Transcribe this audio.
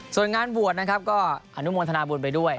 ส่วนงานบวชนะครับก็อนุโมทนาบุญไปด้วย